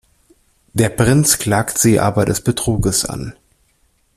Der Prinz klagt sie aber des Betruges an.